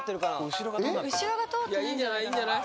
後ろが通ってないいいんじゃない？